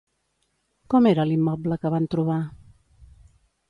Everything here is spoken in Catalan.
Com era l'immoble que van trobar?